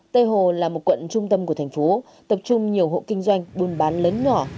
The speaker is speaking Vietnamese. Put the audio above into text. tây hồ là một quận trung tâm của thành phố tập trung nhiều hộ kinh doanh buôn bán lớn nhỏ